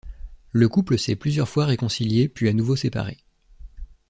Le couple s'est plusieurs fois réconcilié puis à nouveau séparé.